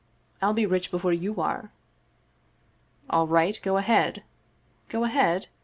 I'll be rich before you are." "All right, go ahead!" " Go ahead?